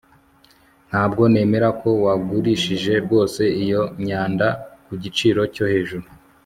Ntabwo nemera ko wagurishije rwose iyo myanda ku giciro cyo hejuru